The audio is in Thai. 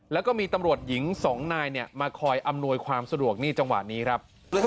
แล้วก็มีตำรวจหญิงสองนายเนี่ยมาคอยอำนวยความสะดวกนี่จังหวะนี้ครับ